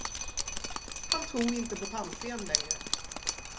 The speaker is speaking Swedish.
Han tror inte på tandfen längre.